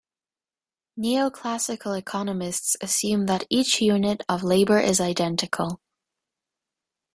Neoclassical economists assume that each "unit" of labor is identical.